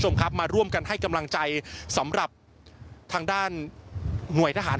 คุณผู้ชมครับมาร่วมกันให้กำลังใจสำหรับทางด้านหน่วยทหาร